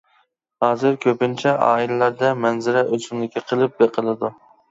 ھازىر كۆپىنچە ئائىلىلەردە مەنزىرە ئۆسۈملۈكى قىلىپ بېقىلىدۇ.